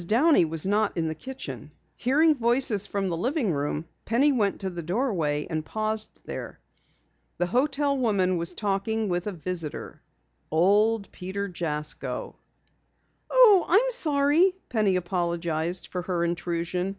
Downey was not in the kitchen. Hearing voices from the living room, Penny went to the doorway and paused there. The hotel woman was talking with a visitor, old Peter Jasko. "Oh, I'm sorry," Penny apologized for her intrusion.